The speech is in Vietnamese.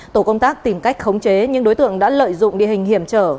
tổ công tác tìm cách khống chế những đối tượng đã lợi dụng địa hình hiểm trở